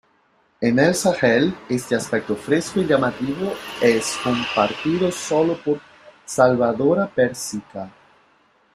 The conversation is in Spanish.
En el Sahel este aspecto fresco y llamativo es compartido sólo por "Salvadora persica".